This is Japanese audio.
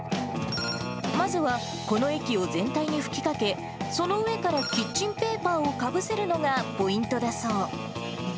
まずはこの液を全体に吹きかけ、その上からキッチンペーパーをかぶせるのがポイントだそう。